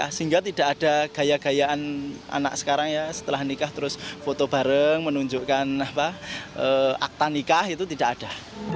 sehingga tidak ada gaya gayaan anak sekarang ya setelah nikah terus foto bareng menunjukkan akta nikah itu tidak ada